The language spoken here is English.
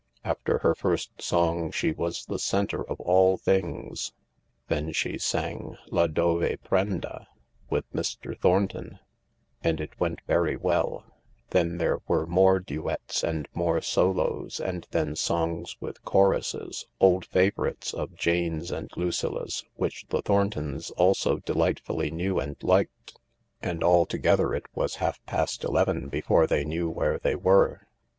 After her first song she was the centre of all things. Then she sang " La dove prenda " with Mr. Thornton, and it went very well ; then there were more duets and more solos ; and then songs with choruses, old favourites of Jane's and Lucilla 's, which the Thorntons also delightfully knew and liked, and alto gether it was half past eleven before they knew where they were.